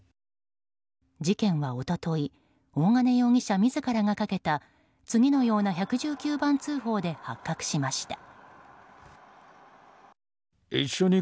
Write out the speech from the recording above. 事件は一昨日大金容疑者自らがかけた次のような１１９番通報で発覚しました。